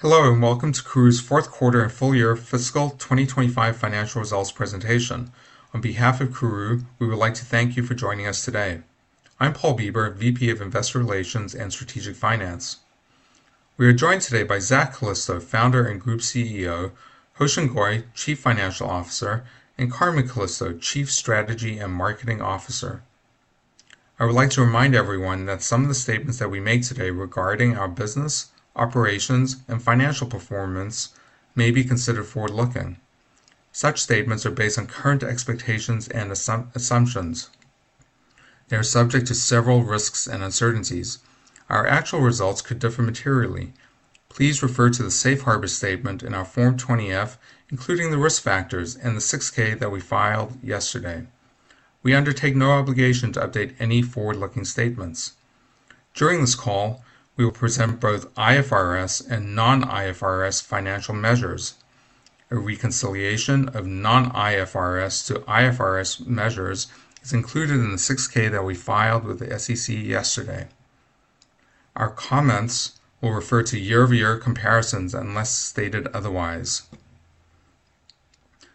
Hello and welcome to Karooooo's fourth quarter and full year fiscal 2025 financial results presentation. On behalf of Karooooo, we would like to thank you for joining us today. I'm Paul Bieber, VP of Investor Relations and Strategic Finance. We are joined today by Zak Calisto, Founder and Group CEO, Hoosain Govender, Chief Financial Officer, and Carmen Calisto, Chief Strategy and Marketing Officer. I would like to remind everyone that some of the statements that we make today regarding our business, operations, and financial performance may be considered forward-looking. Such statements are based on current expectations and assumptions. They are subject to several risks and uncertainties. Our actual results could differ materially. Please refer to the Safe Harbor statement in our Form 20F, including the risk factors and the 6K that we filed yesterday. We undertake no obligation to update any forward-looking statements. During this call, we will present both IFRS and non-IFRS financial measures. A reconciliation of non-IFRS to IFRS measures is included in the 6K that we filed with the SEC yesterday. Our comments will refer to year-over-year comparisons unless stated otherwise.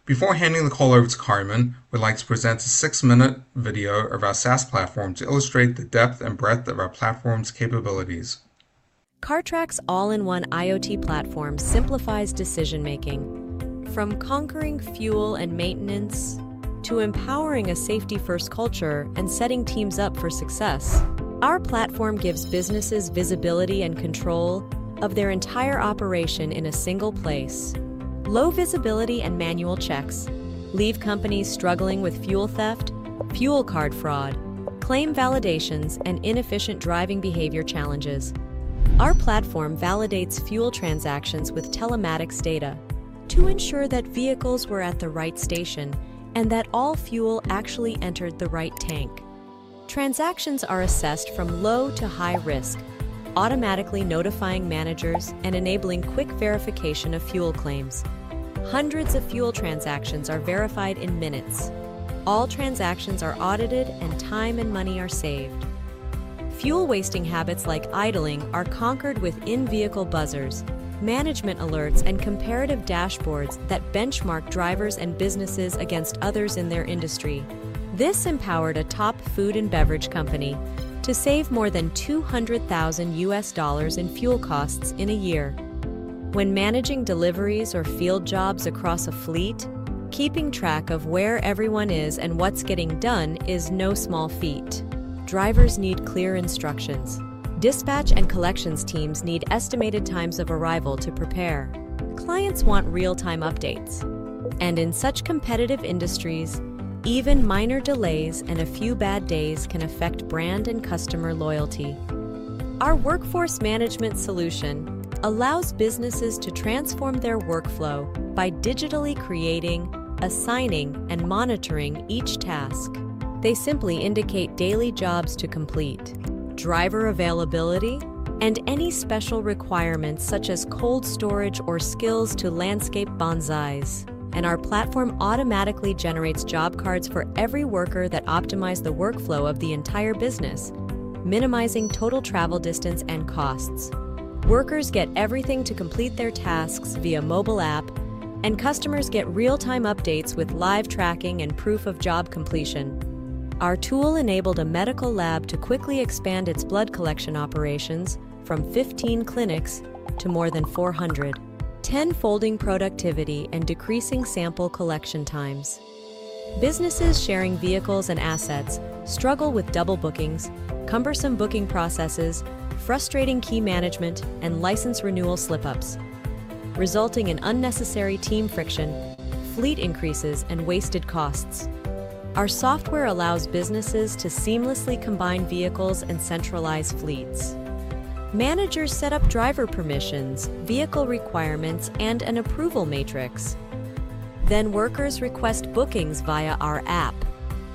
Before handing the call over to Carmen, we'd like to present a six-minute video of our SaaS platform to illustrate the depth and breadth of our platform's capabilities. Cartrack's all-in-one IoT platform simplifies decision-making. From conquering fuel and maintenance to empowering a safety-first culture and setting teams up for success, our platform gives businesses visibility and control of their entire operation in a single place. Low visibility and manual checks leave companies struggling with fuel theft, fuel card fraud, claim validations, and inefficient driving behavior challenges. Our platform validates fuel transactions with telematics data to ensure that vehicles were at the right station and that all fuel actually entered the right tank. Transactions are assessed from low to high risk, automatically notifying managers and enabling quick verification of fuel claims. Hundreds of fuel transactions are verified in minutes. All transactions are audited, and time and money are saved. Fuel-wasting habits like idling are conquered with in-vehicle buzzers, management alerts, and comparative dashboards that benchmark drivers and businesses against others in their industry. This empowered a top food and beverage company to save more than $200,000 in fuel costs in a year. When managing deliveries or field jobs across a fleet, keeping track of where everyone is and what's getting done is no small feat. Drivers need clear instructions. Dispatch and collections teams need estimated times of arrival to prepare. Clients want real-time updates. In such competitive industries, even minor delays and a few bad days can affect brand and customer loyalty. Our workforce management solution allows businesses to transform their workflow by digitally creating, assigning, and monitoring each task. They simply indicate daily jobs to complete, driver availability, and any special requirements such as cold storage or skills to landscape bonsais. Our platform automatically generates job cards for every worker that optimize the workflow of the entire business, minimizing total travel distance and costs. Workers get everything to complete their tasks via mobile app, and customers get real-time updates with live tracking and proof of job completion. Our tool enabled a medical lab to quickly expand its blood collection operations from 15 clinics to more than 400, tenfolding productivity and decreasing sample collection times. Businesses sharing vehicles and assets struggle with double bookings, cumbersome booking processes, frustrating key management, and license renewal slip-ups, resulting in unnecessary team friction, fleet increases, and wasted costs. Our software allows businesses to seamlessly combine vehicles and centralize fleets. Managers set up driver permissions, vehicle requirements, and an approval matrix. Workers request bookings via our app,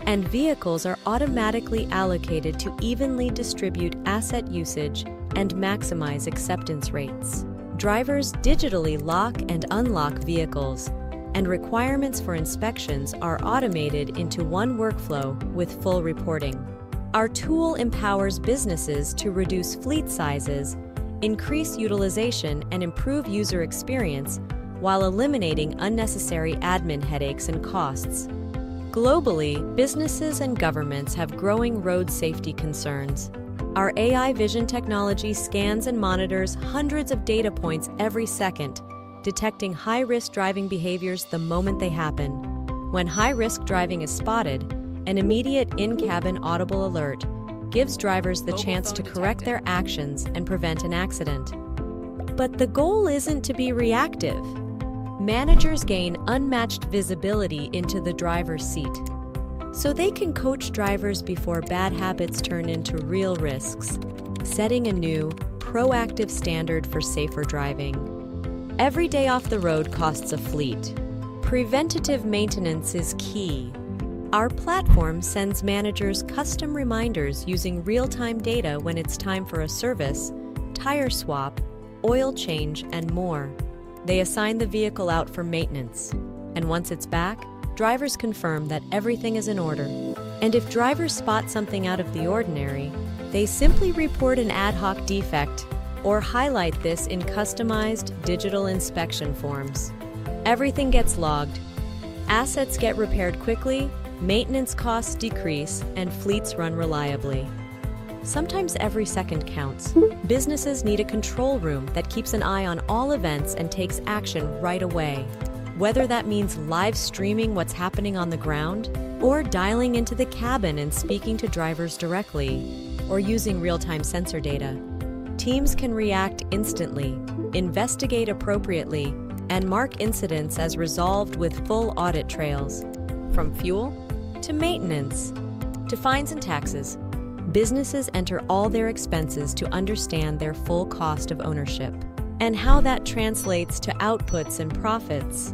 and vehicles are automatically allocated to evenly distribute asset usage and maximize acceptance rates. Drivers digitally lock and unlock vehicles, and requirements for inspections are automated into one workflow with full reporting. Our tool empowers businesses to reduce fleet sizes, increase utilization, and improve user experience while eliminating unnecessary admin headaches and costs. Globally, businesses and governments have growing road safety concerns. Our AI vision technology scans and monitors hundreds of data points every second, detecting high-risk driving behaviors the moment they happen. When high-risk driving is spotted, an immediate in-cabin audible alert gives drivers the chance to correct their actions and prevent an accident. The goal is not to be reactive. Managers gain unmatched visibility into the driver's seat so they can coach drivers before bad habits turn into real risks, setting a new proactive standard for safer driving. Every day off the road costs a fleet. Preventative maintenance is key. Our platform sends managers custom reminders using real-time data when it is time for a service, tire swap, oil change, and more. They assign the vehicle out for maintenance, and once it's back, drivers confirm that everything is in order. If drivers spot something out of the ordinary, they simply report an ad hoc defect or highlight this in customized digital inspection forms. Everything gets logged. Assets get repaired quickly, maintenance costs decrease, and fleets run reliably. Sometimes every second counts. Businesses need a control room that keeps an eye on all events and takes action right away. Whether that means live streaming what's happening on the ground, dialing into the cabin and speaking to drivers directly, or using real-time sensor data, teams can react instantly, investigate appropriately, and mark incidents as resolved with full audit trails. From fuel to maintenance to fines and taxes, businesses enter all their expenses to understand their full cost of ownership and how that translates to outputs and profits.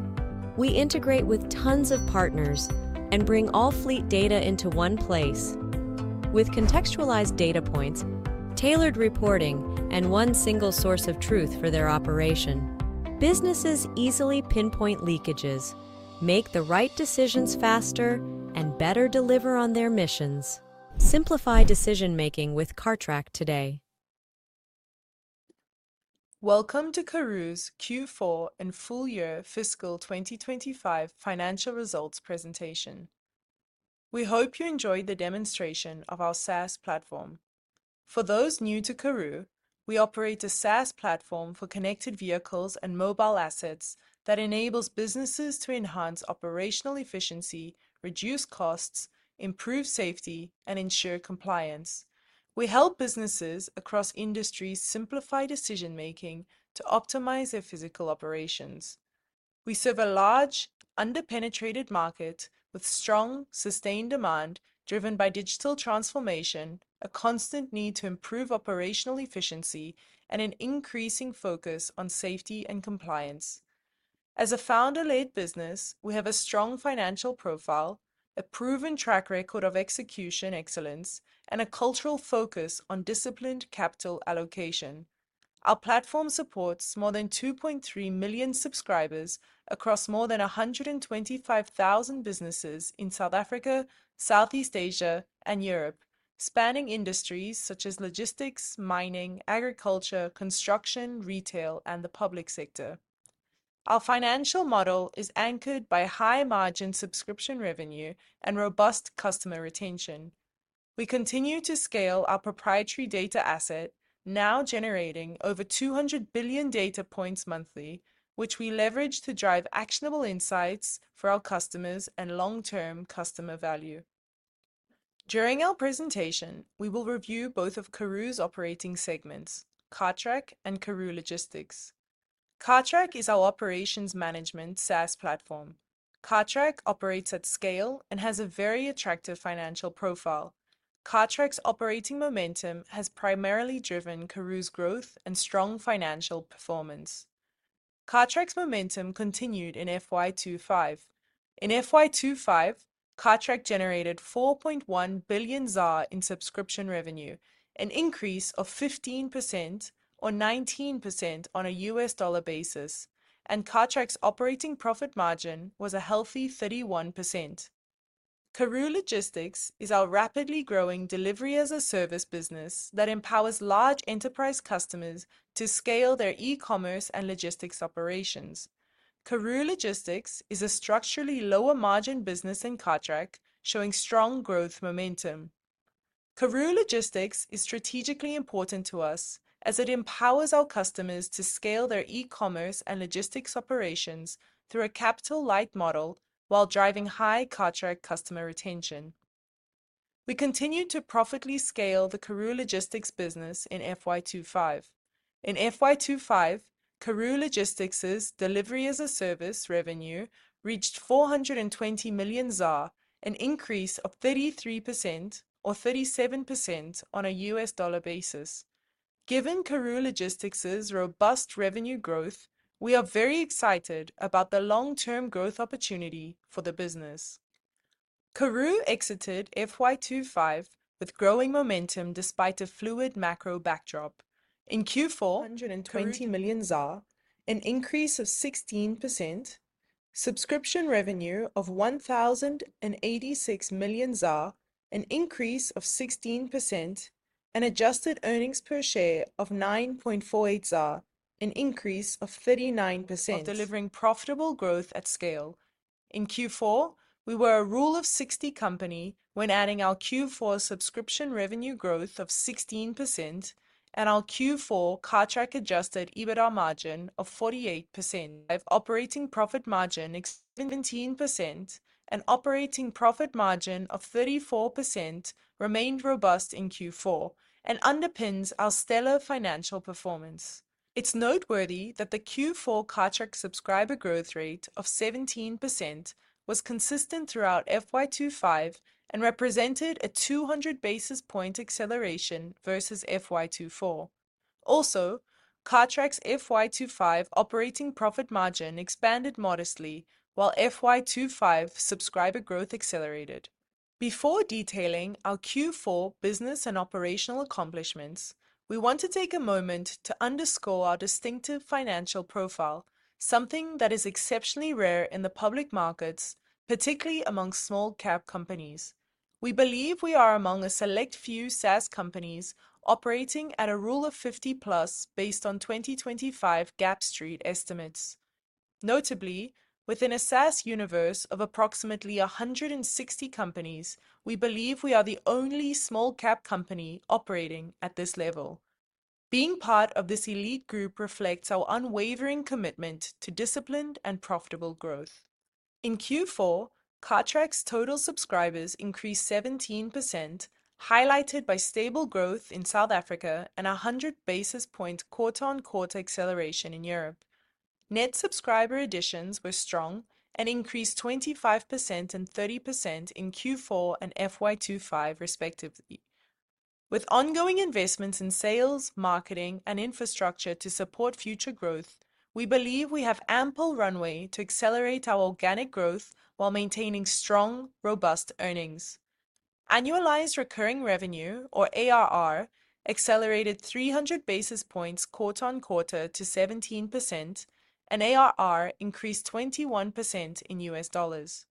We integrate with tons of partners and bring all fleet data into one place with contextualized data points, tailored reporting, and one single source of truth for their operation. Businesses easily pinpoint leakages, make the right decisions faster, and better deliver on their missions. Simplify decision-making with Cartrack today. Welcome to Karooooo's Q4 and full year fiscal 2025 financial results presentation. We hope you enjoyed the demonstration of our SaaS platform. For those new to Karooooo, we operate a SaaS platform for connected vehicles and mobile assets that enables businesses to enhance operational efficiency, reduce costs, improve safety, and ensure compliance. We help businesses across industries simplify decision-making to optimize their physical operations. We serve a large, underpenetrated market with strong, sustained demand driven by digital transformation, a constant need to improve operational efficiency, and an increasing focus on safety and compliance. As a founder-led business, we have a strong financial profile, a proven track record of execution excellence, and a cultural focus on disciplined capital allocation. Our platform supports more than 2.3 million subscribers across more than 125,000 businesses in South Africa, Southeast Asia, and Europe, spanning industries such as logistics, mining, agriculture, construction, retail, and the public sector. Our financial model is anchored by high-margin subscription revenue and robust customer retention. We continue to scale our proprietary data asset, now generating over 200 billion data points monthly, which we leverage to drive actionable insights for our customers and long-term customer value. During our presentation, we will review both of Karooooo's operating segments, CARTRACK and Karooooo Logistics. CARTRACK is our operations management SaaS platform. CARTRACK operates at scale and has a very attractive financial profile. CARTRACK's operating momentum has primarily driven Karooooo's growth and strong financial performance. CARTRACK's momentum continued in FY2025. In FY2025, CARTRACK generated 4.1 billion ZAR in subscription revenue, an increase of 15% or 19% on a U.S. dollar basis, and CARTRACK's operating profit margin was a healthy 31%. Karooooo Logistics is our rapidly growing delivery-as-a-service business that empowers large enterprise customers to scale their e-commerce and logistics operations. Karooooo Logistics is a structurally lower-margin business than CARTRACK, showing strong growth momentum. Karooooo Logistics is strategically important to us as it empowers our customers to scale their e-commerce and logistics operations through a capital-light model while driving high CARTRACK's customer retention. We continue to profitably scale the Karooooo Logistics business in FY2025. In FY2025, Karooooo Logistics' delivery-as-a-service revenue reached 420 million ZAR, an increase of 33% or 37% on a U.S. dollar basis. Given Karooooo Logistics' robust revenue growth, we are very excited about the long-term growth opportunity for the business. Karooooo exited FY25 with growing momentum despite a fluid macro backdrop. In Q4, 120 million ZAR, an increase of 16%, subscription revenue of 1,086 million ZAR, an increase of 16%, and adjusted earnings per share of 9.48 ZAR, an increase of 39%, delivering profitable growth at scale. In Q4, we were a rule-of-60 company when adding our Q4 subscription revenue growth of 16% and our Q4 CARTRACK-adjusted EBITDA margin of 48%. Operating profit margin exceeding 17% and operating profit margin of 34% remained robust in Q4 and underpins our stellar financial performance. It's noteworthy that the Q4 CARTRACK subscriber growth rate of 17% was consistent throughout FY25 and represented a 200 basis point acceleration versus FY24. Also, CARTRACK's FY25 operating profit margin expanded modestly while FY25 subscriber growth accelerated. Before detailing our Q4 business and operational accomplishments, we want to take a moment to underscore our distinctive financial profile, something that is exceptionally rare in the public markets, particularly among small-cap companies. We believe we are among a select few SaaS companies operating at a rule-of-50 plus based on 2025 GAAP Street estimates. Notably, within a SaaS universe of approximately 160 companies, we believe we are the only small-cap company operating at this level. Being part of this elite group reflects our unwavering commitment to disciplined and profitable growth. In Q4, CARTRACK's total subscribers increased 17%, highlighted by stable growth in South Africa and a 100 basis point quarter-on-quarter acceleration in Europe. Net subscriber additions were strong and increased 25% and 30% in Q4 and FY2025, respectively. With ongoing investments in sales, marketing, and infrastructure to support future growth, we believe we have ample runway to accelerate our organic growth while maintaining strong, robust earnings. Annualized recurring revenue, or ARR, accelerated 300 basis points quarter-on-quarter to 17%, and ARR increased 21% in U.S. dollars.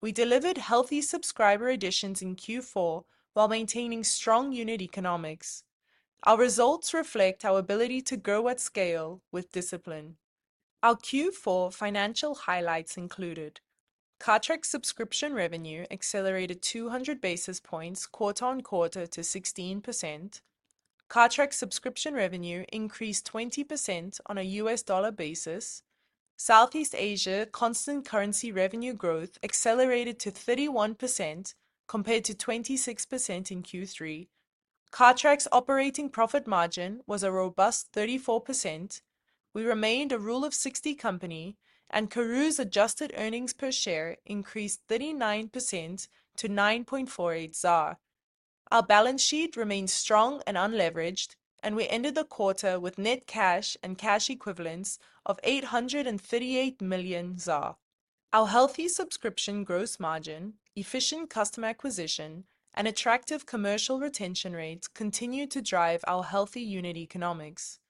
We delivered healthy subscriber additions in Q4 while maintaining strong unit economics. Our results reflect our ability to grow at scale with discipline. Our Q4 financial highlights included: CARTRACK subscription revenue accelerated 200 basis points quarter-on-quarter to 16%. CARTRACK subscription revenue increased 20% on a U.S.dollar basis. Southeast Asia constant currency revenue growth accelerated to 31% compared to 26% in Q3. CARTRACK ',operating profit margin was a robust 34%. We remained a rule-of-60 company, and Karooooo's adjusted earnings per share increased 39% to 9.48 ZAR. Our balance sheet remained strong and unleveraged, and we ended the quarter with net cash and cash equivalents of 838 million ZAR. Our healthy subscription gross margin, efficient customer acquisition, and attractive commercial retention rates continued to drive our healthy unit economics.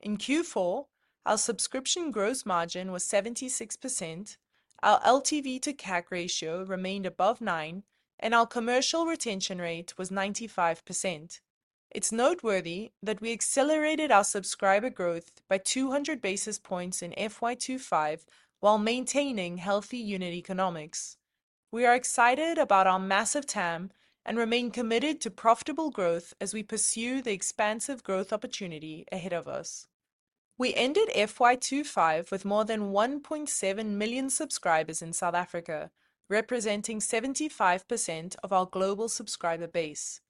In Q4, our subscription gross margin was 76%, our LTV to CAC ratio remained above 9, and our commercial retention rate was 95%. It's noteworthy that we accelerated our subscriber growth by 200 basis points in FY2025 while maintaining healthy unit economics. We are excited about our massive TAM and remain committed to profitable growth as we pursue the expansive growth opportunity ahead of us. We ended FY2025 with more than 1.7 million subscribers in South Africa, representing 75% of our global subscriber base.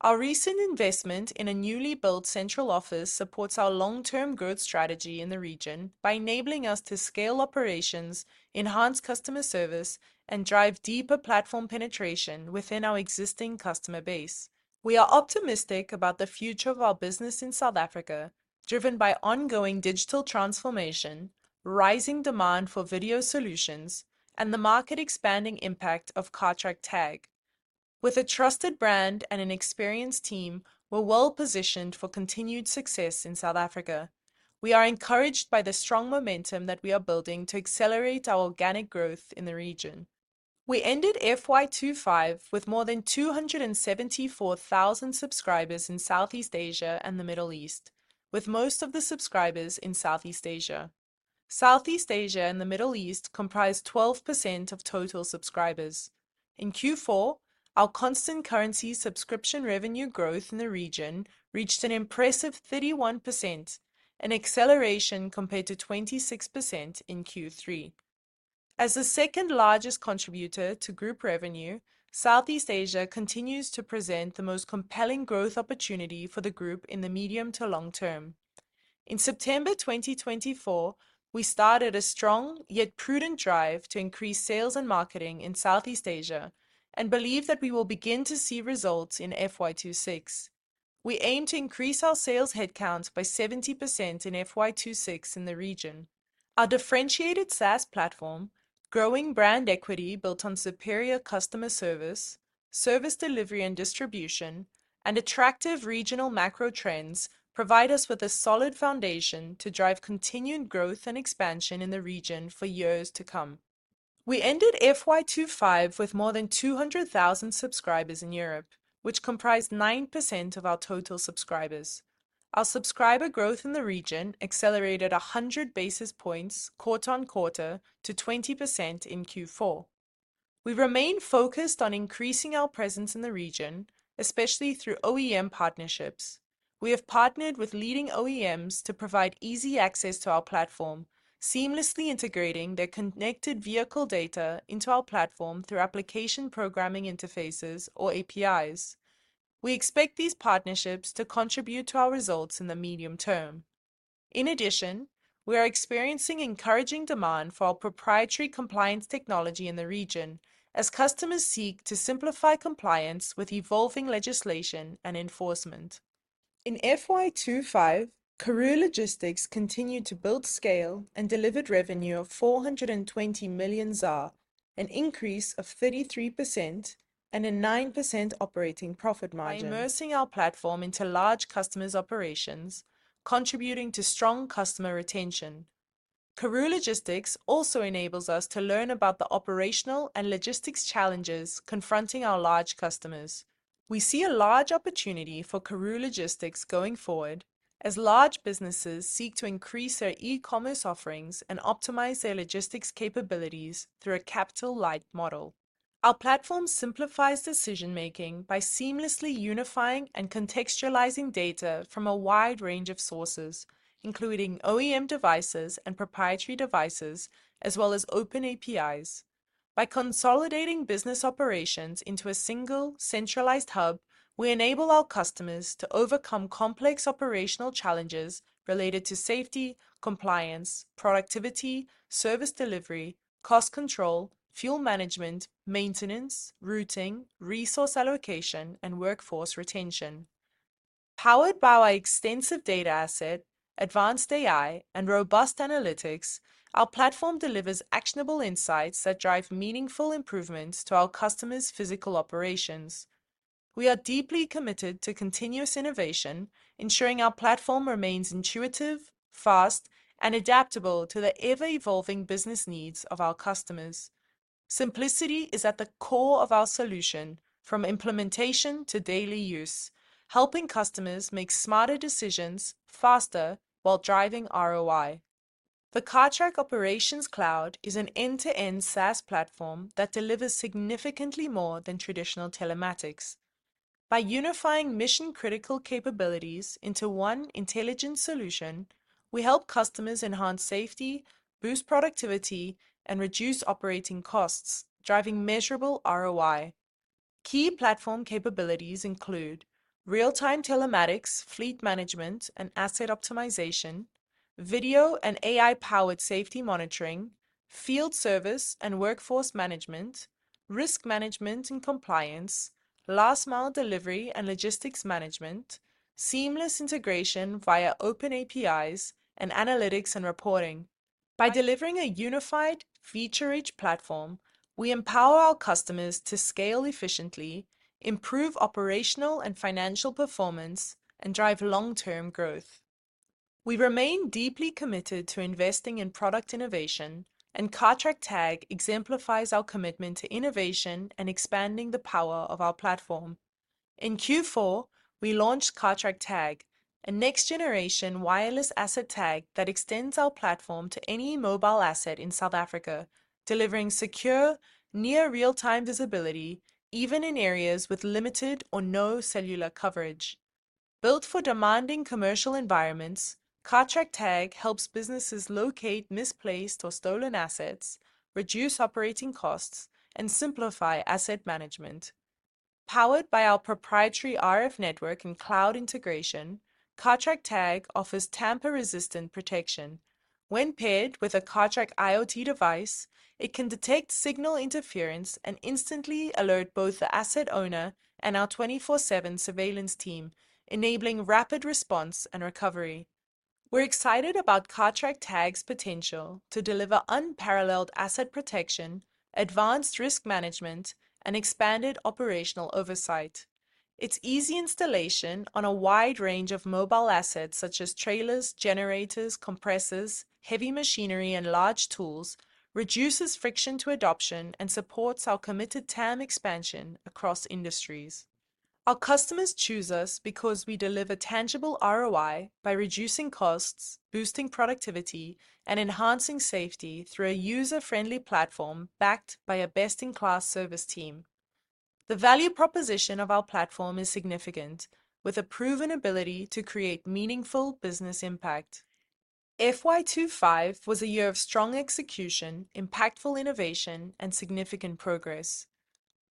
Our recent investment in a newly built central office supports our long-term growth strategy in the region by enabling us to scale operations, enhance customer service, and drive deeper platform penetration within our existing customer base. We are optimistic about the future of our business in South Africa, driven by ongoing digital transformation, rising demand for video solutions, and the market-expanding impact of Cartrack TAG. With a trusted brand and an experienced team, we're well-positioned for continued success in South Africa. We are encouraged by the strong momentum that we are building to accelerate our organic growth in the region. We ended FY2025 with more than 274,000 subscribers in Southeast Asia and the Middle East, with most of the subscribers in Southeast Asia. Southeast Asia and the Middle East comprise 12% of total subscribers. In Q4, our constant currency subscription revenue growth in the region reached an impressive 31%, an acceleration compared to 26% in Q3. As the second-largest contributor to group revenue, Southeast Asia continues to present the most compelling growth opportunity for the group in the medium to long term. In September 2024, we started a strong yet prudent drive to increase sales and marketing in Southeast Asia and believe that we will begin to see results in FY26. We aim to increase our sales headcount by 70% in FY26 in the region. Our differentiated SaaS platform, growing brand equity built on superior customer service, service delivery and distribution, and attractive regional macro trends provide us with a solid foundation to drive continued growth and expansion in the region for years to come. We ended FY25 with more than 200,000 subscribers in Europe, which comprised 9% of our total subscribers. Our subscriber growth in the region accelerated 100 basis points quarter-on-quarter to 20% in Q4. We remain focused on increasing our presence in the region, especially through OEM partnerships. We have partnered with leading OEMs to provide easy access to our platform, seamlessly integrating their connected vehicle data into our platform through APIs. We expect these partnerships to contribute to our results in the medium term. In addition, we are experiencing encouraging demand for our proprietary compliance technology in the region as customers seek to simplify compliance with evolving legislation and enforcement. In FY2025, Karooooo Logistics continued to build scale and delivered revenue of 420 million ZAR, an increase of 33%, and a 9% operating profit margin, immersing our platform into large customers' operations, contributing to strong customer retention. Karooooo Logistics also enables us to learn about the operational and logistics challenges confronting our large customers. We see a large opportunity for Karooooo Logistics going forward as large businesses seek to increase their e-commerce offerings and optimize their logistics capabilities through a capital-light model. Our platform simplifies decision-making by seamlessly unifying and contextualizing data from a wide range of sources, including OEM devices and proprietary devices, as well as open APIs. By consolidating business operations into a single, centralized hub, we enable our customers to overcome complex operational challenges related to safety, compliance, productivity, service delivery, cost control, fuel management, maintenance, routing, resource allocation, and workforce retention. Powered by our extensive data asset, advanced AI, and robust analytics, our platform delivers actionable insights that drive meaningful improvements to our customers' physical operations. We are deeply committed to continuous innovation, ensuring our platform remains intuitive, fast, and adaptable to the ever-evolving business needs of our customers. Simplicity is at the core of our solution, from implementation to daily use, helping customers make smarter decisions faster while driving ROI. The Cartrack Operations Cloud is an end-to-end SaaS platform that delivers significantly more than traditional telematics. By unifying mission-critical capabilities into one intelligent solution, we help customers enhance safety, boost productivity, and reduce operating costs, driving measurable ROI. Key platform capabilities include real-time telematics, fleet management and asset optimization, video and AI-powered safety monitoring, field service and workforce management, risk management and compliance, last-mile delivery and logistics management, seamless integration via open APIs, and analytics and reporting. By delivering a unified, feature-rich platform, we empower our customers to scale efficiently, improve operational and financial performance, and drive long-term growth. We remain deeply committed to investing in product innovation, and Cartrack TAG exemplifies our commitment to innovation and expanding the power of our platform. In Q4, we launched Cartrack TAG, a next-generation wireless asset tag that extends our platform to any mobile asset in South Africa, delivering secure, near-real-time visibility even in areas with limited or no cellular coverage. Built for demanding commercial environments, Cartrack TAG helps businesses locate misplaced or stolen assets, reduce operating costs, and simplify asset management. Powered by our proprietary RF network and cloud integration, Cartrack TAG offers tamper-resistant protection. When paired with a Cartrack IoT device, it can detect signal interference and instantly alert both the asset owner and our 24/7 surveillance team, enabling rapid response and recovery. We're excited about Cartrack TAG's potential to deliver unparalleled asset protection, advanced risk management, and expanded operational oversight. Its easy installation on a wide range of mobile assets, such as trailers, generators, compressors, heavy machinery, and large tools, reduces friction to adoption and supports our committed TAM expansion across industries. Our customers choose us because we deliver tangible ROI by reducing costs, boosting productivity, and enhancing safety through a user-friendly platform backed by a best-in-class service team. The value proposition of our platform is significant, with a proven ability to create meaningful business impact. FY2025 was a year of strong execution, impactful innovation, and significant progress.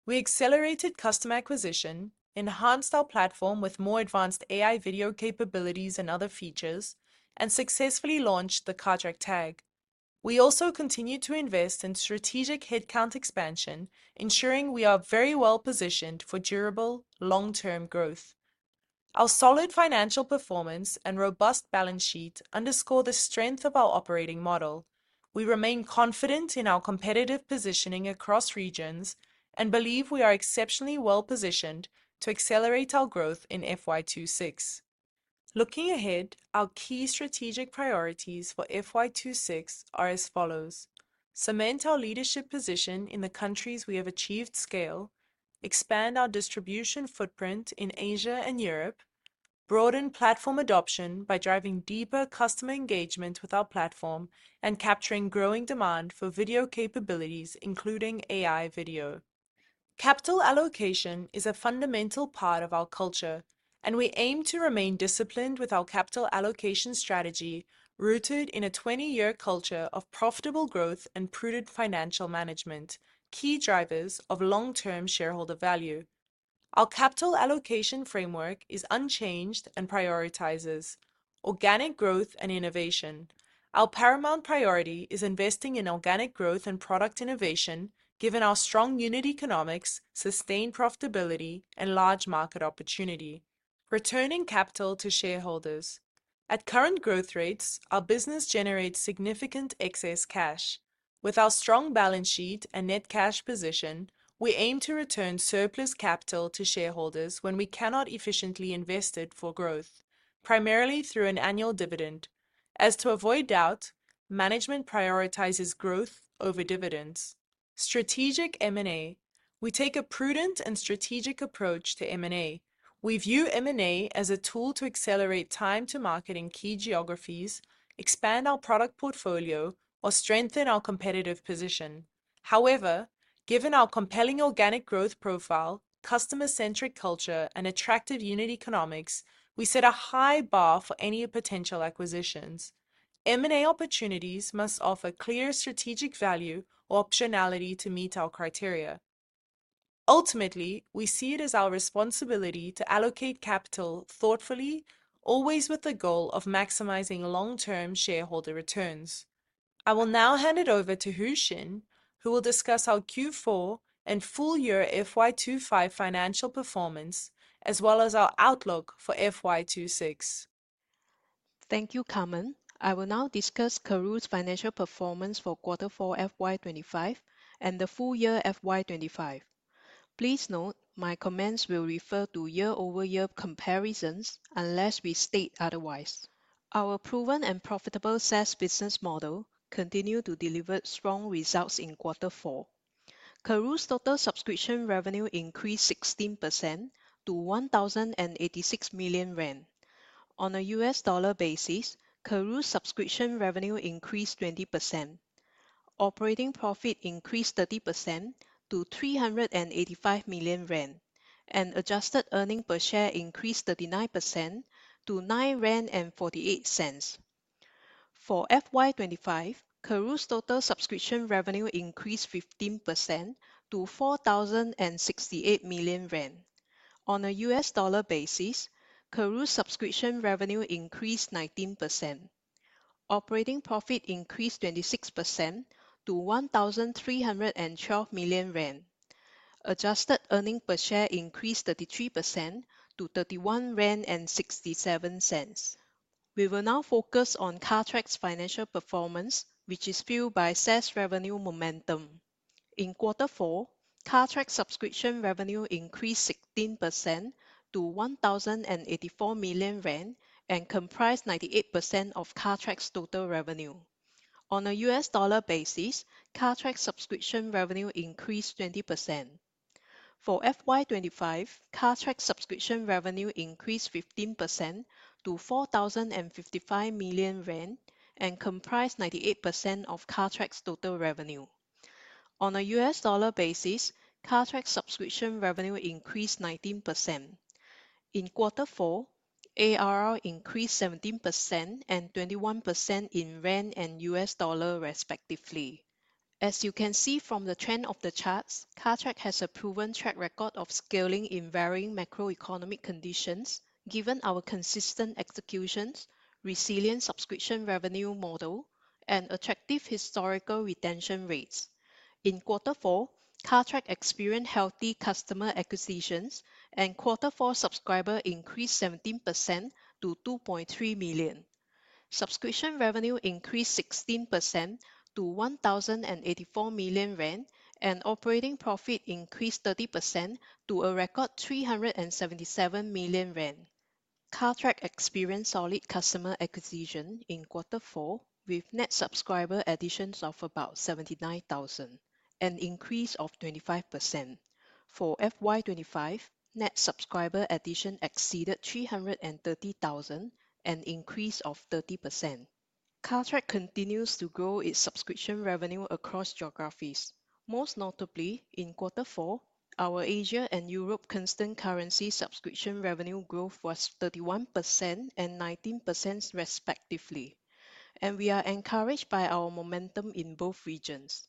We accelerated customer acquisition, enhanced our platform with more advanced AI video capabilities and other features, and successfully launched the Cartrack TAG. We also continue to invest in strategic headcount expansion, ensuring we are very well-positioned for durable, long-term growth. Our solid financial performance and robust balance sheet underscore the strength of our operating model. We remain confident in our competitive positioning across regions and believe we are exceptionally well-positioned to accelerate our growth in FY2026. Looking ahead, our key strategic priorities for FY26 are as follows: cement our leadership position in the countries we have achieved scale, expand our distribution footprint in Asia and Europe, broaden platform adoption by driving deeper customer engagement with our platform, and capturing growing demand for video capabilities, including AI video. Capital allocation is a fundamental part of our culture, and we aim to remain disciplined with our capital allocation strategy, rooted in a 20-year culture of profitable growth and prudent financial management, key drivers of long-term shareholder value. Our capital allocation framework is unchanged and prioritizes organic growth and innovation. Our paramount priority is investing in organic growth and product innovation, given our strong unit economics, sustained profitability, and large market opportunity. Returning capital to shareholders at current growth rates, our business generates significant excess cash. With our strong balance sheet and net cash position, we aim to return surplus capital to shareholders when we cannot efficiently invest it for growth, primarily through an annual dividend. As to avoid doubt, management prioritizes growth over dividends. Strategic M&A: We take a prudent and strategic approach to M&A. We view M&A as a tool to accelerate time to market in key geographies, expand our product portfolio, or strengthen our competitive position. However, given our compelling organic growth profile, customer-centric culture, and attractive unit economics, we set a high bar for any potential acquisitions. M&A opportunities must offer clear strategic value or optionality to meet our criteria. Ultimately, we see it as our responsibility to allocate capital thoughtfully, always with the goal of maximizing long-term shareholder returns. I will now hand it over to Hoosain, who will discuss our Q4 and full year FY25 financial performance, as well as our outlook for FY26. Thank you, Carmen. I will now discuss Karooooo's financial performance for Q4 FY25 and the full year FY25. Please note my comments will refer to year-over-year comparisons unless we state otherwise. Our proven and profitable SaaS business model continued to deliver strong results in Q4. Karooooo's total subscription revenue increased 16% to 1,086 million rand. On a US dollar basis, Karooooo's subscription revenue increased 20%. Operating profit increased 30% to 385 million rand, and adjusted earnings per share increased 39% to 9.48 rand. For FY25, Karooooo's total subscription revenue increased 15% to 4,068 million rand. On a US dollar basis, Karooooo's subscription revenue increased 19%. Operating profit increased 26% to 1,312 million rand. Adjusted earnings per share increased 33% to 31.67 rand. We will now focus on Cartrack's financial performance, which is fueled by SaaS revenue momentum. In Q4, Cartrack's subscription revenue increased 16% to 1,084 million rand and comprised 98% of Cartrack's total revenue. On a US dollar basis, Cartrack's subscription revenue increased 20%. For FY2025, Cartrack's subscription revenue increased 15% to 4,055 million rand and comprised 98% of Cartrack's total revenue. On a US dollar basis, Cartrack's subscription revenue increased 19%. In Q4, ARR increased 17% and 21% in ZAR and US dollar, respectively. As you can see from the trend of the charts, Cartrack has a proven track record of scaling in varying macroeconomic conditions, given our consistent executions, resilient subscription revenue model, and attractive historical retention rates. In Q4, Cartrack experienced healthy customer acquisitions, and Q4 subscriber increased 17% to 2.3 million. Subscription revenue increased 16% to 1,084 million rand and operating profit increased 30% to a record 377 million rand. Cartrack experienced solid customer acquisition in Q4 with net subscriber additions of about 79,000, an increase of 25%. For FY2025, net subscriber additions exceeded 330,000, an increase of 30%. Cartrack continues to grow its subscription revenue across geographies. Most notably, in Q4, our Asia and Europe constant currency subscription revenue growth was 31% and 19%, respectively, and we are encouraged by our momentum in both regions.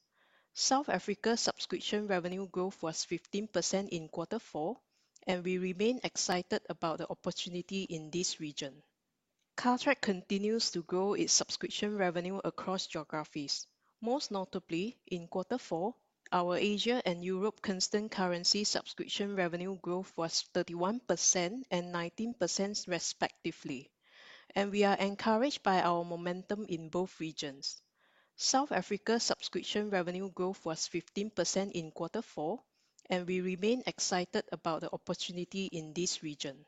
South Africa's subscription revenue growth was 15% in Q4, and we remain excited about the opportunity in this region. Cartrack continues to grow its subscription revenue across geographies. Most notably, in Q4, our Asia and Europe constant currency subscription revenue growth was 31% and 19%, respectively, and we are encouraged by our momentum in both regions. South Africa's subscription revenue growth was 15% in Q4, and we remain excited about the opportunity in this region.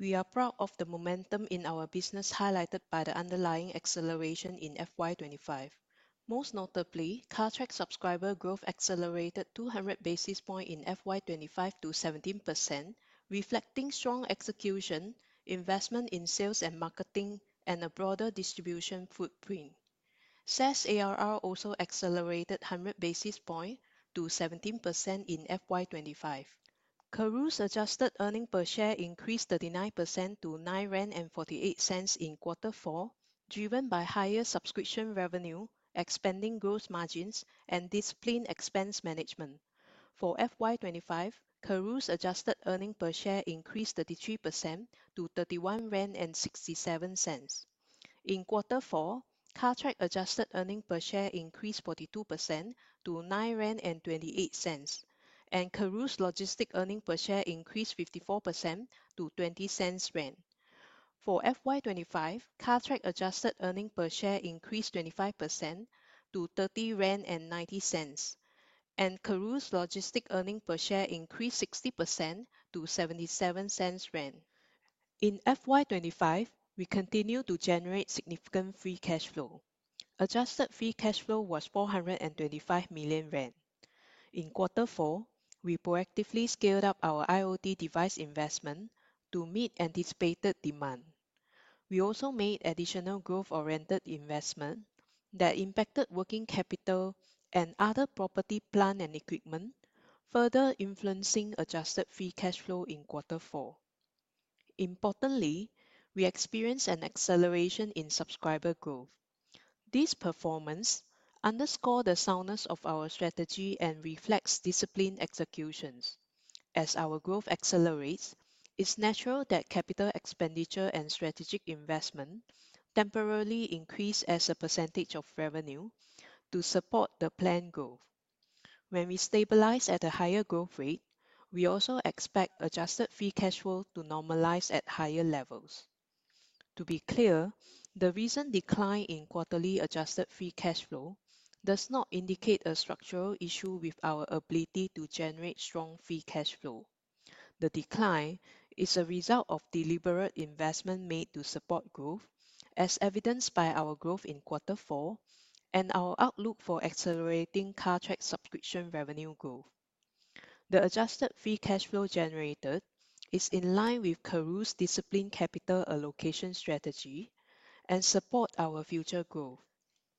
We are proud of the momentum in our business highlighted by the underlying acceleration in FY2025. Most notably, Cartrack's subscriber growth accelerated 200 basis points in FY2025 to 17%, reflecting strong execution, investment in sales and marketing, and a broader distribution footprint. SaaS ARR also accelerated 100 basis points to 17% in FY2025. Karooooo's adjusted earnings per share increased 39% to RM 9.48 in Q4, driven by higher subscription revenue, expanding gross margins, and disciplined expense management. For FY2025, Karooooo's adjusted earnings per share increased 33% to RM 31.67. In Q4, Cartrack's adjusted earnings per share increased 42% to RM 9.28, and Karooooo Logistics earnings per share increased 54% to RM 0.20. For FY2025, Cartrack's adjusted earnings per share increased 25% to RM 30.90, and Karooooo Logistics earnings per share increased 60% to RM 0.77. In FY2025, we continued to generate significant free cash flow. Adjusted free cash flow was RM 425 million. In Q4, we proactively scaled up our IoT device investment to meet anticipated demand. We also made additional growth-oriented investment that impacted working capital and other property, plant and equipment, further influencing adjusted free cash flow in Q4. Importantly, we experienced an acceleration in subscriber growth. This performance underscores the soundness of our strategy and reflects disciplined execution. As our growth accelerates, it's natural that capital expenditure and strategic investment temporarily increase as a percentage of revenue to support the planned growth. When we stabilize at a higher growth rate, we also expect adjusted free cash flow to normalize at higher levels. To be clear, the recent decline in quarterly adjusted free cash flow does not indicate a structural issue with our ability to generate strong free cash flow. The decline is a result of deliberate investment made to support growth, as evidenced by our growth in Q4 and our outlook for accelerating Cartrack's subscription revenue growth. The adjusted free cash flow generated is in line with Karooooo's disciplined capital allocation strategy and supports our future growth.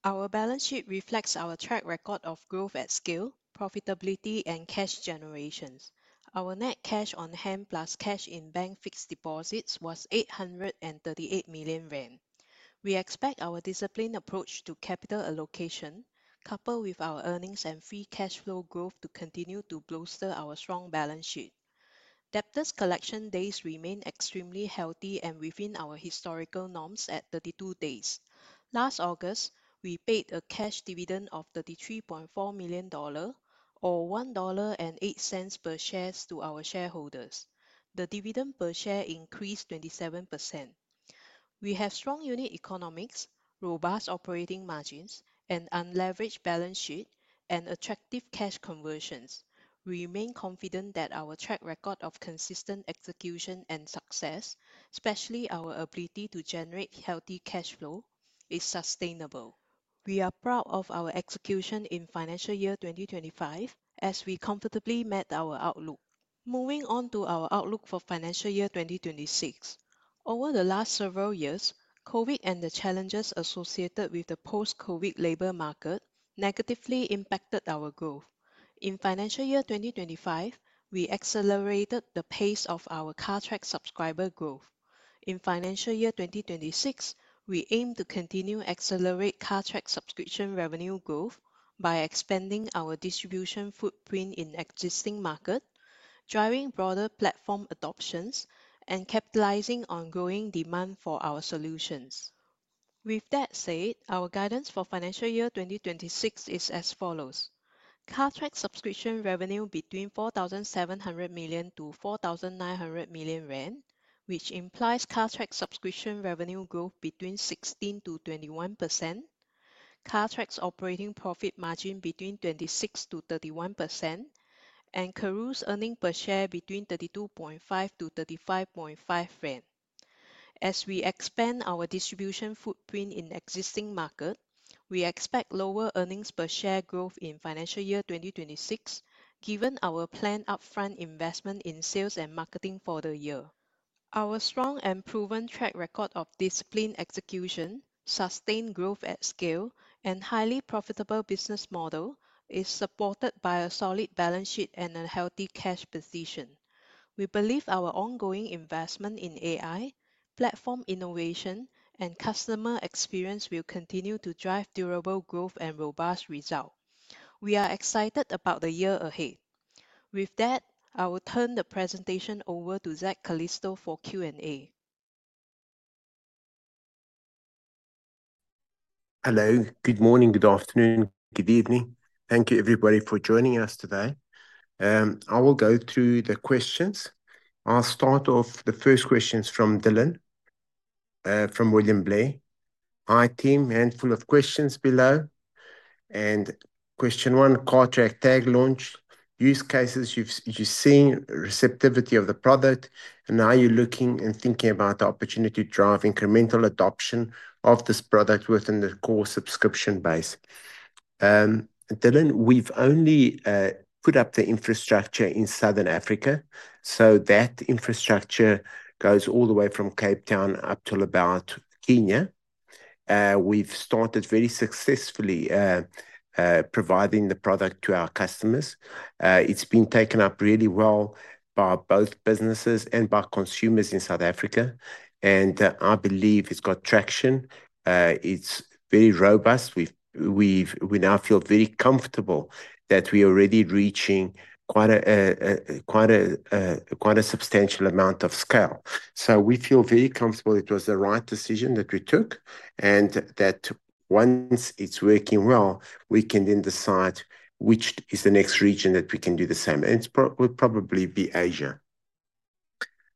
Our balance sheet reflects our track record of growth at scale, profitability, and cash generation. Our net cash on hand plus cash in bank fixed deposits was 838 million rand. We expect our disciplined approach to capital allocation, coupled with our earnings and free cash flow growth, to continue to bolster our strong balance sheet. Debtors' collection days remain extremely healthy and within our historical norms at 32 days. Last August, we paid a cash dividend of $33.4 million or $1.08 per share to our shareholders. The dividend per share increased 27%. We have strong unit economics, robust operating margins, an unleveraged balance sheet, and attractive cash conversions. We remain confident that our track record of consistent execution and success, especially our ability to generate healthy cash flow, is sustainable. We are proud of our execution in financial year 2025, as we comfortably met our outlook. Moving on to our outlook for financial year 2026. Over the last several years, COVID and the challenges associated with the post-COVID labor market negatively impacted our growth. In financial year 2025, we accelerated the pace of our Cartrack subscriber growth. In financial year 2026, we aim to continue to accelerate Cartrack's subscription revenue growth by expanding our distribution footprint in existing markets, driving broader platform adoptions, and capitalizing on growing demand for our solutions. With that said, our guidance for financial year 2026 is as follows: Cartrack's subscription revenue between 4,700 million-4,900 million rand, which implies Cartrack's subscription revenue growth between 16%-21%. Cartrack's operating profit margin between 26%-31%, and Karooooo's earnings per share between 32.50-35.50 rand. As we expand our distribution footprint in existing markets, we expect lower earnings per share growth in financial year 2026, given our planned upfront investment in sales and marketing for the year. Our strong and proven track record of disciplined execution, sustained growth at scale, and highly profitable business model is supported by a solid balance sheet and a healthy cash position. We believe our ongoing investment in AI, platform innovation, and customer experience will continue to drive durable growth and robust results. We are excited about the year ahead. With that, I will turn the presentation over to Zak Calisto for Q&A. Hello, good morning, good afternoon, good evening. Thank you, everybody, for joining us today. I will go through the questions. I'll start off with the first question from Dylan from William Blair. I team handful of questions below. Question one: Cartrack TAG launch, use cases you've seen, receptivity of the product, and are you looking and thinking about the opportunity to drive incremental adoption of this product within the core subscription base? Dylan, we've only put up the infrastructure in Southern Africa, so that infrastructure goes all the way from Cape Town up to about Kenya. We've started very successfully providing the product to our customers. It's been taken up really well by both businesses and by consumers in South Africa, and I believe it's got traction. It's very robust. We now feel very comfortable that we are already reaching quite a substantial amount of scale. We feel very comfortable it was the right decision that we took, and that once it's working well, we can then decide which is the next region that we can do the same. It will probably be Asia.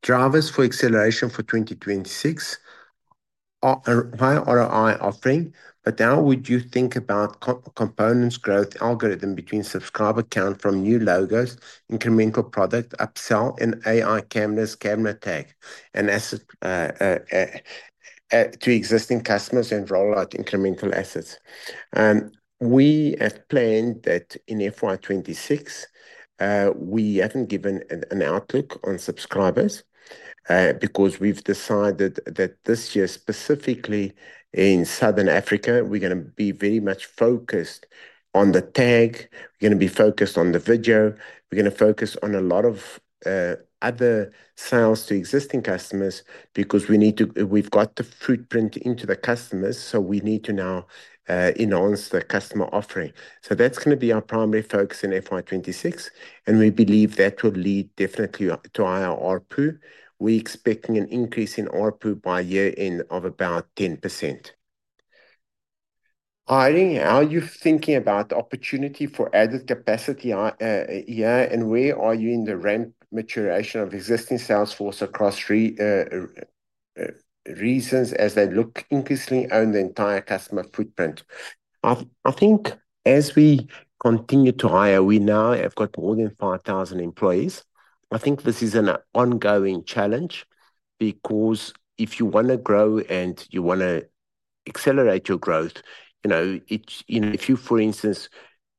Drivers for acceleration for 2026 are via ROI offering, but now we do think about components growth algorithm between subscriber count from new logos, incremental product, upsell, and AI cameras, camera tag, and asset to existing customers and rollout incremental assets. We have planned that in FY2026, we haven't given an outlook on subscribers because we've decided that this year, specifically in Southern Africa, we're going to be very much focused on the tag. We're going to be focused on the video. We're going to focus on a lot of other sales to existing customers because we need to, we've got to footprint into the customers, so we need to now enhance the customer offering. That is going to be our primary focus in FY2026, and we believe that will lead definitely to higher RPU. We're expecting an increase in RPU by year-end of about 10%. How are you thinking about the opportunity for added capacity here, and where are you in the ramp maturation of existing Salesforce across regions as they look increasingly on the entire customer footprint? I think as we continue to hire, we now have got more than 5,000 employees. I think this is an ongoing challenge because if you want to grow and you want to accelerate your growth, you know, if you, for instance,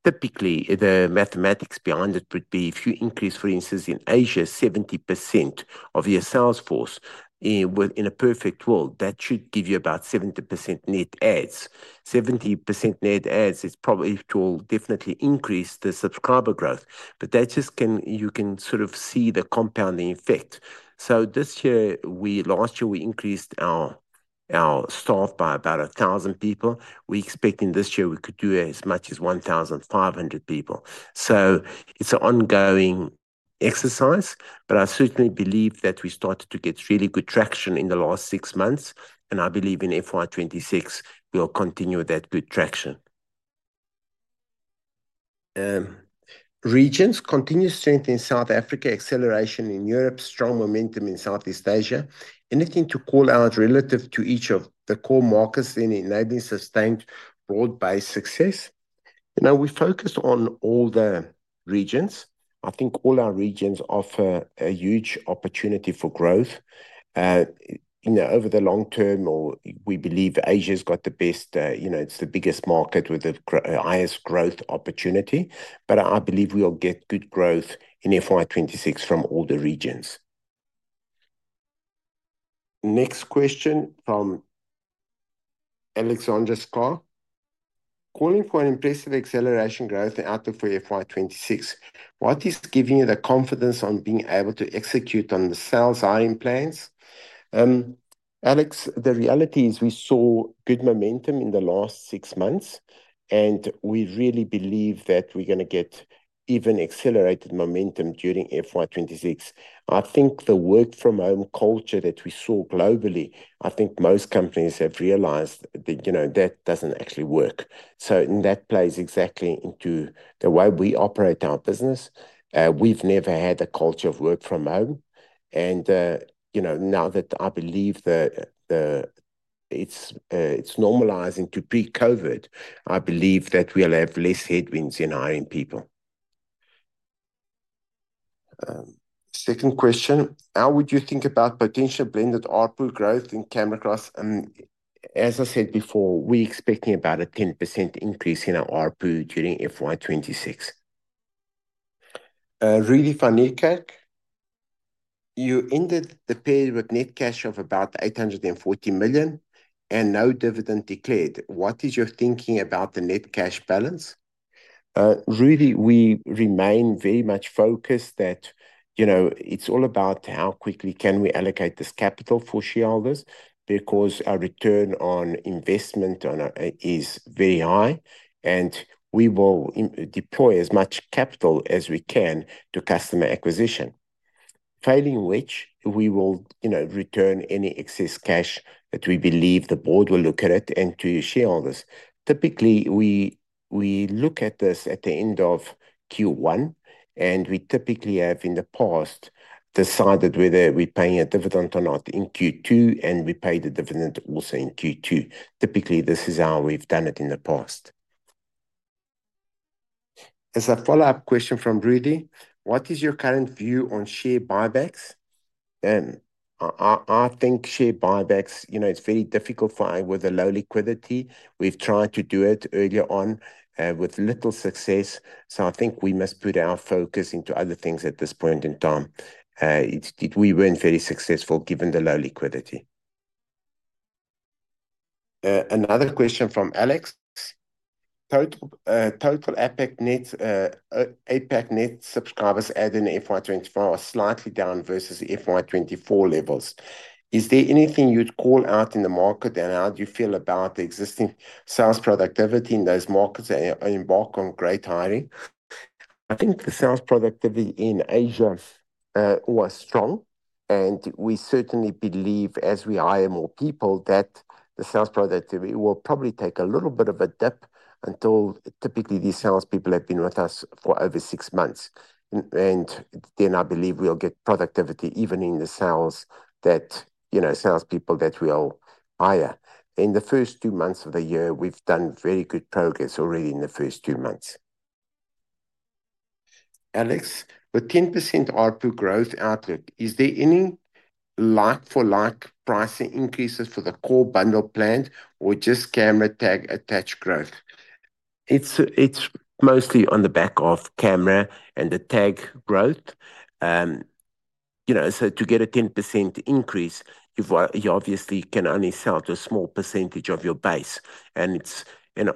typically the mathematics behind it would be if you increase, for instance, in Asia 70% of your Salesforce in a perfect world, that should give you about 70% net adds. 70% net adds is probably to definitely increase the subscriber growth, but that just can, you can sort of see the compounding effect. This year, last year, we increased our staff by about 1,000 people. We expect in this year we could do as much as 1,500 people. It is an ongoing exercise, but I certainly believe that we started to get really good traction in the last six months, and I believe in FY2026 we will continue that good traction. Regions continue strength in South Africa, acceleration in Europe, strong momentum in Southeast Asia. Anything to call out relative to each of the core markers in enabling sustained broad-based success? You know, we focus on all the regions. I think all our regions offer a huge opportunity for growth. You know, over the long term, we believe Asia has got the best, you know, it's the biggest market with the highest growth opportunity, but I believe we'll get good growth in FY2026 from all the regions. Next question from Alexandra Scar. Calling for an impressive acceleration growth out of FY2026. What is giving you the confidence on being able to execute on the sales hiring plans? Alex, the reality is we saw good momentum in the last six months, and we really believe that we're going to get even accelerated momentum during FY2026. I think the work-from-home culture that we saw globally, I think most companies have realized that, you know, that doesn't actually work. That plays exactly into the way we operate our business. We've never had a culture of work-from-home, and, you know, now that I believe it's normalizing to pre-COVID, I believe that we'll have less headwinds in hiring people. Second question. How would you think about potential blended RPU growth in camera class? As I said before, we're expecting about a 10% increase in our RPU during FY2026. Rudy Fanucak, you ended the period with net cash of 840 million and no dividend declared. What is your thinking about the net cash balance? Really, we remain very much focused that, you know, it's all about how quickly can we allocate this capital for shareholders because our return on investment is very high, and we will deploy as much capital as we can to customer acquisition. Failing which, we will, you know, return any excess cash that we believe the board will look at and to shareholders. Typically, we look at this at the end of Q1, and we typically have in the past decided whether we pay a dividend or not in Q2, and we pay the dividend also in Q2. Typically, this is how we've done it in the past. As a follow-up question from Rudy, what is your current view on share buybacks? I think share buybacks, you know, it's very difficult for with the low liquidity. We've tried to do it earlier on with little success, so I think we must put our focus into other things at this point in time. We weren't very successful given the low liquidity. Another question from Alex. Total APAC net subscribers adding FY2024 are slightly down versus FY2023 levels. Is there anything you'd call out in the market, and how do you feel about the existing sales productivity in those markets that embark on great hiring? I think the sales productivity in Asia was strong, and we certainly believe as we hire more people that the sales productivity will probably take a little bit of a dip until typically these salespeople have been with us for over six months. I believe we'll get productivity even in the sales that, you know, salespeople that we'll hire. In the first two months of the year, we've done very good progress already in the first two months. Alex, with 10% RPU growth outlook, is there any like-for-like pricing increases for the core bundle plan or just camera tag attached growth? It's mostly on the back of camera and the tag growth. You know, to get a 10% increase, you obviously can only sell to a small percentage of your base. And it's, you know,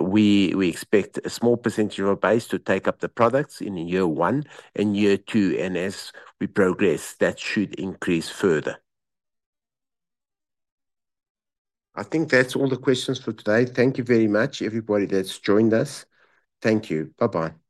we expect a small percentage of our base to take up the products in year one and year two, and as we progress, that should increase further. I think that's all the questions for today. Thank you very much, everybody that's joined us. Thank you. Bye-bye.